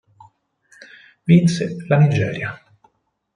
Vinse la Nigeria.